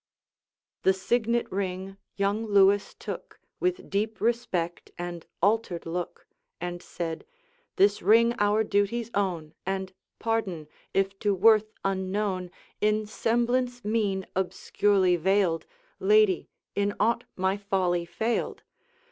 The signet ring young Lewis took With deep respect and altered look, And said: 'This ring our duties own; And pardon, if to worth unknown, In semblance mean obscurely veiled, Lady, in aught my folly failed.